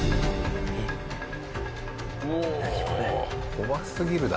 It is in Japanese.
怖すぎるだろ。